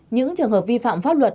những trường hợp vi phạm pháp luật